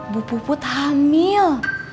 bu puput hamil